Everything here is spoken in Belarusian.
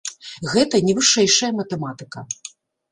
Гэта не вышэйшая матэматыка.